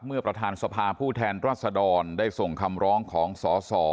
ประธานสภาผู้แทนรัศดรได้ส่งคำร้องของสส